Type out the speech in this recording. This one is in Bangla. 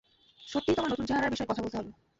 সত্যিই তোমার নতুন চেহারার বিষয়ে কথা বলতে হবে।